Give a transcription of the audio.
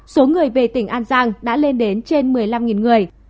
số người về tỉnh an giang đã lên đến trên một mươi năm người